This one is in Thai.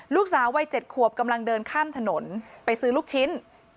ลูกสาววัย๗ขวบกำลังเดินข้ามถนนไปซื้อลูกชิ้น